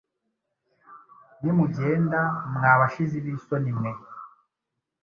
nimujyenda mwabashizi b’isoni mwe